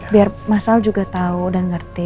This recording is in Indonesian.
biar mas al juga tau dan ngerti